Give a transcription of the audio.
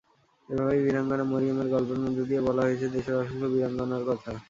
এভাবেই বীরাঙ্গনা মরিয়মের গল্পের মধ্য দিয়ে বলা হয়েছে দেশের অসংখ্য বীরাঙ্গনার কথা।